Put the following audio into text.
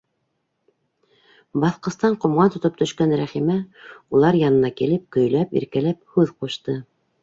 Баҫҡыстан ҡомған тотоп төшкән Рәхимә, улар янына килеп, көйләп, иркәләп һүҙ ҡушты: